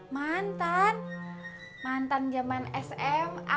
mantan mantan zaman sma